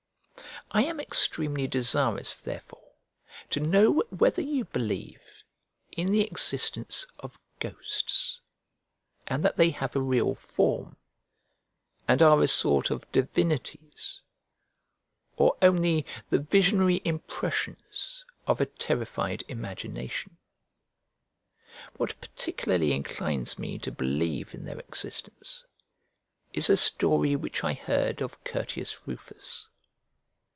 I am extremely desirous therefore to know whether you believe in the existence of ghosts, and that they have a real form, and are a sort of divinities, or only the visionary impressions of a terrified imagination. What particularly inclines me to believe in their existence is a story which I heard of Curtius Rufus.